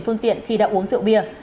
phương tiện khi đã uống rượu bia